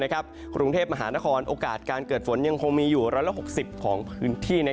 กรุงเทพมหานครโอกาสการเกิดฝนยังคงมีอยู่๑๖๐ของพื้นที่